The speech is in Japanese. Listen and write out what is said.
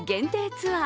ツアー